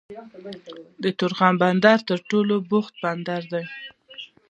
د تورخم بندر تر ټولو بوخت بندر دی